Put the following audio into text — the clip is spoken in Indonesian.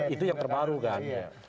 itu yang terbaru kan